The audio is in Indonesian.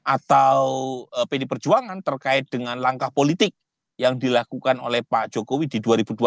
atau pd perjuangan terkait dengan langkah politik yang dilakukan oleh pak jokowi di dua ribu dua puluh